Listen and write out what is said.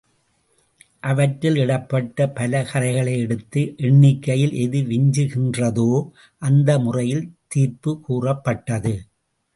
அவற்றில் இடப்பட்ட பலகறைகளை எடுத்து எண்ணிக்கையில் எது விஞ்சுகின்றதோ, அந்த முறையில் தீர்ப்புக் கூறப்பட்டது.